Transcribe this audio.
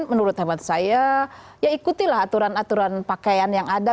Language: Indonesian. menurut hemat saya ya ikutilah aturan aturan pakaian yang ada